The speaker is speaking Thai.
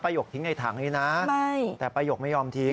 หยกทิ้งในถังนี้นะแต่ป้ายกไม่ยอมทิ้ง